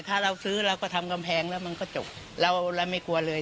ถ้าเราซื้อเราก็ทำกำแพงแล้วมันก็จบเราเราไม่กลัวเลย